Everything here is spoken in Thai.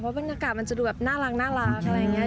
บรรยากาศมันจะดูแบบน่ารักอะไรอย่างนี้